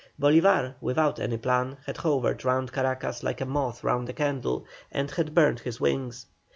Bolívar, without any plan, had hovered round Caracas like a moth round a candle, and had burned his wings.